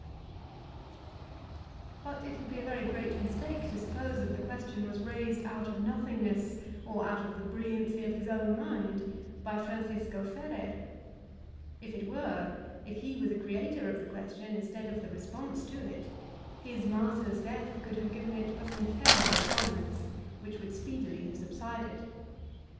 322 VOLTAIRINE DB ClEYKE But it would be a very great mistake to suppose that the question was raised out of nothingness, or out of the brilliancy of his own mind, by Francisco Ferrer. If it were, if he were the creator of the question instead of the response to it, his martyr's death could have given it but an ephemeral prominence which would speedily have subsided.